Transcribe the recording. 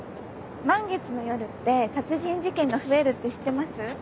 満月の夜って殺人事件が増えるって知ってます？